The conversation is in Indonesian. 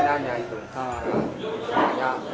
yang terbanyak itu